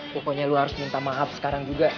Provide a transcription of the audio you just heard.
pokoknya lu harus minta maaf sekarang juga